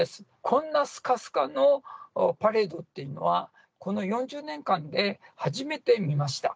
こんなすかすかのパレードっていうのは、この４０年間で初めて見ました。